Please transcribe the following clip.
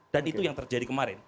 dan itu yang terjadi kemarin